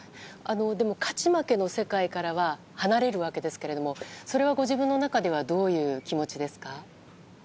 でも、勝ち負けの世界からは離れるわけですけどもそれはご自分の中ではどういう気持ちですか？